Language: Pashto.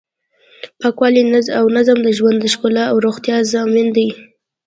پاکوالی او نظم د ژوند د ښکلا او روغتیا ضامن دی.